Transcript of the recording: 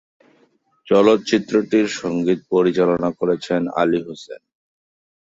চলচ্চিত্রটির সঙ্গীত পরিচালনা করেছেন আলী হোসেন।